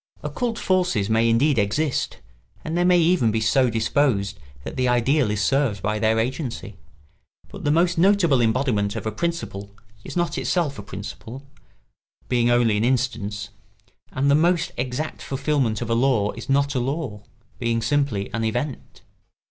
Occult forces may indeed exist, and they may even be so disposed that the ideal is served by their agency; but the most notable embodiment of a principle is not itself a principle, being only an instance, and the most exact fulfilment of a law is not a law, being simply an event.